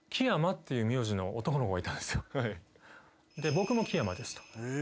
「僕も木山です」と。